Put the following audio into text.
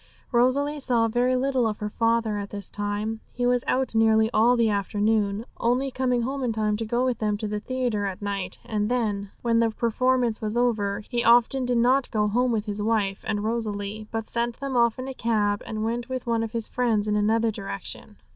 Rosalie saw very little of her father at this time. He was out nearly all the afternoon, only coming home in time to go with them to the theatre at night; and then, when the performance was over, he often did not go home with his wife and Rosalie, but sent them off in a cab, and went with one of his friends in another direction.